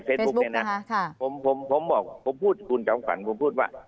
ผมพูดคุณจังขวัญผมพูดว่า